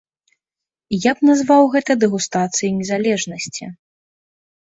Я б назваў гэта дэгустацыяй незалежнасці.